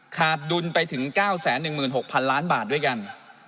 ขาดดุลไปถึง๙๑๖๐๐๐ล้านบาทด้วยกัน